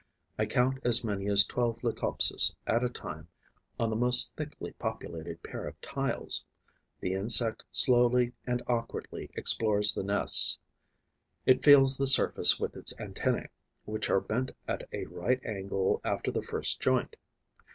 I count as many as twelve Leucopses at a time on the most thickly populated pair of tiles. The insect slowly and awkwardly explores the nests. It feels the surface with its antennae, which are bent at a right angle after the first joint.